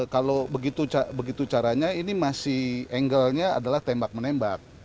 kalau begitu caranya ini masih angle nya adalah tembak menembak